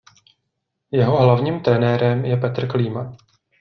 Jeho hlavní trenérem je Petr Klíma.